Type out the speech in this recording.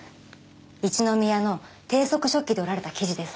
一宮の低速織機で織られた生地です。